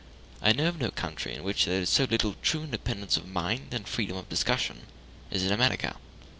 I know no country in which there is so little true independence of mind and freedom of discussion as in America.